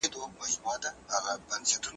د نورو ملاتړ د حسد مخه نیسي.